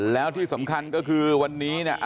แล้วที่สำคัญก็คือวันนี้เนี่ย